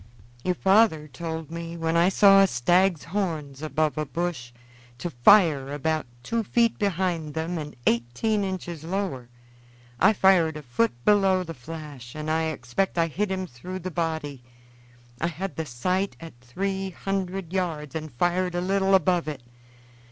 "Your father told me, when I saw a stag's horns above a bush, to fire about two feet behind them and eighteen inches lower. I fired a foot below the flash, and I expect I hit him through the body. I had the sight at three hundred yards and fired a little above it.